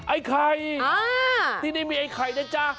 ไอ้ไข่ที่นี่มีไอ้ไข่นะจ๊ะ